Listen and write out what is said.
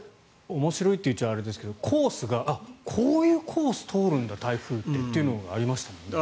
面白いっていうとあれですがコースがこういうコースを通るんだ台風ってっていうのがありましたもんね。